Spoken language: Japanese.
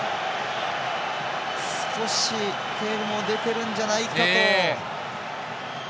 少し手も出てるんじゃないかと。